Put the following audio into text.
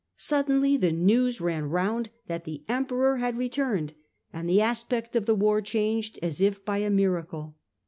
Suddenly the news ran round that the Emperor had returned, and the aspect of the war changed as if by a miracle.